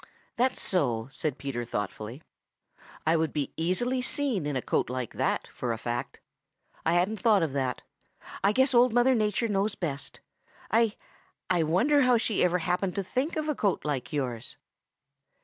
"That's so," said Peter thoughtfully. "I would be easily seen in a coat like that, for a fact. I hadn't thought of that. I guess Old Mother Nature knows best. I I wonder how she ever happened to think of a coat like yours."